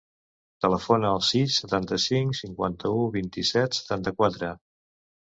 Telefona al sis, setanta-cinc, cinquanta-u, vint-i-set, setanta-quatre.